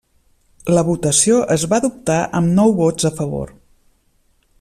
La votació es va adoptar amb nou vots a favor.